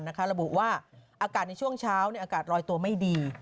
ระบุว่าอากาศในช่วงเช้าอากาศรอยตัวไม่ดี